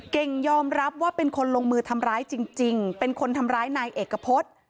เก่งยอมรับว่าเป็นคนลงมือทำร้ายจริงเป็นคนทำร้ายนายเอกพฤษ